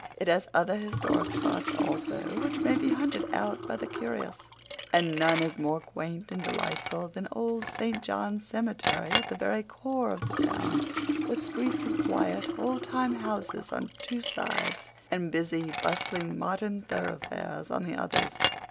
It has other historic spots also, which may be hunted out by the curious, and none is more quaint and delightful than Old St. John's Cemetery at the very core of the town, with streets of quiet, old time houses on two sides, and busy, bustling, modern thoroughfares on the others.